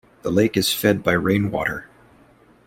The lake is fed by rain water.